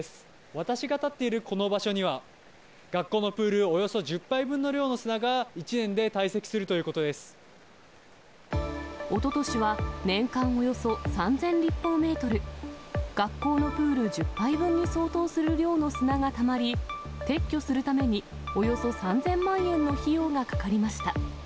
私が立っているこの場所には、学校のプールおよそ１０杯分の量の砂が１年で堆積するということおととしは、年間およそ３０００立方メートル、学校のプール１０杯分に相当する量の砂がたまり、撤去するために、およそ３０００万円の費用がかかりました。